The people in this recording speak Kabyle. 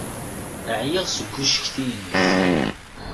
Ɛyiɣ seg ucetki-inek.